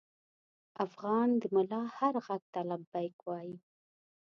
افغان د ملا هر غږ ته لبیک وايي.